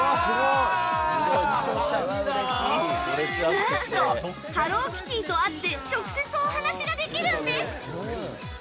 何と、ハローキティと会って直接お話ができるんです！